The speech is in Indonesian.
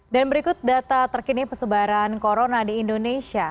berikut data terkini pesebaran corona di indonesia